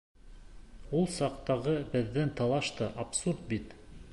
Ул саҡтағы беҙҙең талаш та абсурд бит.